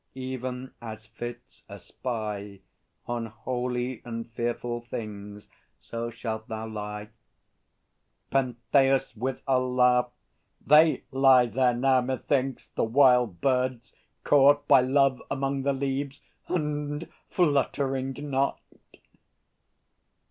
Even as fits a spy On holy and fearful things, so shalt thou lie! PENTHEUS (with a laugh). They lie there now, methinks the wild birds, caught By love among the leaves, and fluttering not!